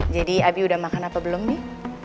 jadi abi udah makan apa belum nih